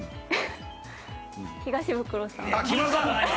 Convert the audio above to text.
東ブクロさん？